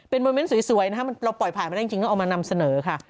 โมเมนต์สวยนะครับเราปล่อยผ่านมาได้จริงต้องเอามานำเสนอค่ะ